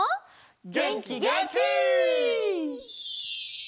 げんきげんき！